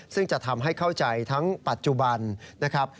ซึ่งจะทำให้เข้าใจทั้งปัจจุบันนะครับ